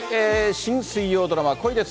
新水曜ドラマ、恋です！